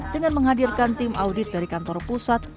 dengan menghadirkan tim audit dari kantor pusat